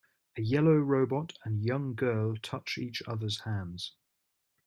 A yellow robot and young girl touch each other 's hands.